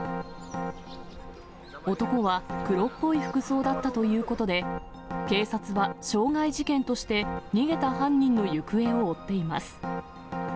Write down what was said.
男は黒っぽい服装だったということで、警察は傷害事件として、逃げた犯人の行方を追っています。